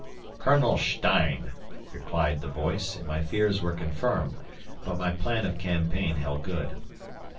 "Colonel Stein!" replied the voice, and my fears were confirmed, but my plan of campaign held good.